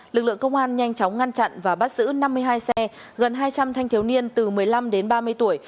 lực lượng công an nhanh chóng ngăn chặn và bắt giữ năm mươi hai xe gần hai trăm linh thanh thiếu niên từ một mươi năm đến ba mươi tuổi